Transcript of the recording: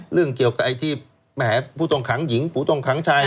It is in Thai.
เรื่องเกี่ยวกับไอ้ที่แหมผู้ต้องขังหญิงผู้ต้องขังชาย